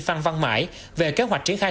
phan văn mãi về kế hoạch triển khai